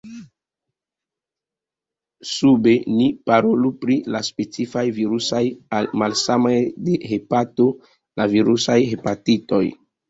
Sube ni parolu pri la specifaj virusaj malsanoj de hepato: la virusaj hepatitoj.